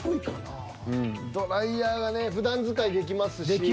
ドライヤーがねふだん使いできますし。